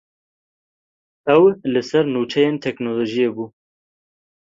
Ew li ser nûçeyên teknolojiyê bû.